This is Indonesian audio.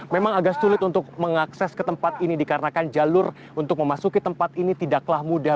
memang agak sulit untuk mengakses ke tempat ini dikarenakan jalur untuk memasuki tempat ini tidaklah mudah